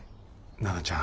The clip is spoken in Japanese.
奈々ちゃん。